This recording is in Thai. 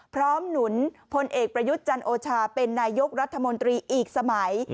หนุนพลเอกประยุทธ์จันโอชาเป็นนายกรัฐมนตรีอีกสมัย